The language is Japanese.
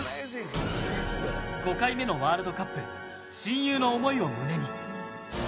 ５回目のワールドカップ親友の思いを胸に。